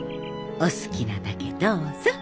お好きなだけどうぞ。